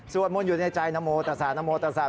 สวัสดิ์มนต์อยู่ในใจนโมตัสานโมตัสา